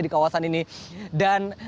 di kawasan ini dan